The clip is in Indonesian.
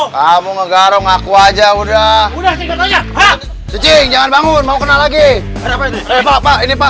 kamu ngegarong aku aja udah udah jangan bangun mau kenal lagi ini pak